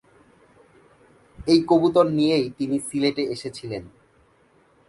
এই কবুতর নিয়েই তিনি সিলেটে এসেছিলেন।